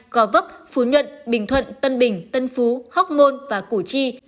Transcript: gò vấp phú nhuận bình thuận tân bình tân phú hóc môn và củ chi